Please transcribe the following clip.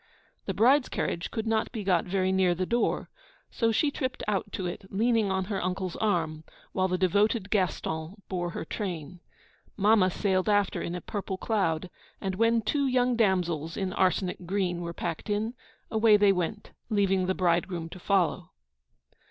The bride's carriage could not be got very near the door. So she tripped out to it, leaning on her uncle's arm, while the devoted Gaston bore her train. Mamma sailed after in a purple cloud; and when two young damsels, in arsenic green, were packed in, away they went, leaving the bridegroom to follow.